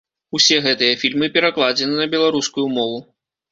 Усе гэтыя фільмы перакладзены на беларускую мову.